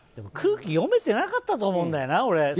空気読めてなかったと思うんだよな。